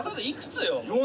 いくつよ？